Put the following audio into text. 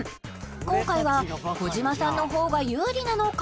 今回は児嶋さんの方が有利なのか？